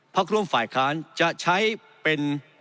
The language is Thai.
พระคุณภาคภายคลานจะใช้เป็น